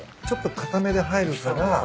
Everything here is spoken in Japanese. ちょっと硬めで入るから。